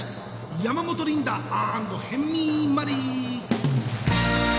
山本リンダアンド辺見マリ